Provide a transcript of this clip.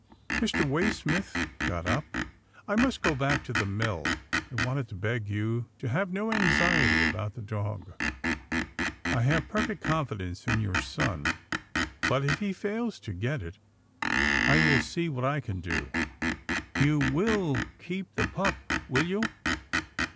Mr. Waysmith got up. " I must go back to the milL T wanted to beg you to have no anxiety about the dog. I have perfect confidence in your son, but if he fails to get it, I will see what I can do. You will keep the pup, will you?